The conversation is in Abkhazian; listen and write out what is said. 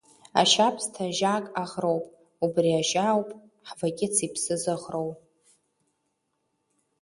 Ашьабсҭа жьак аӷроуп, убри ажьа ауп Хвакьыц иԥсы зыӷроу.